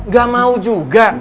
gak mau juga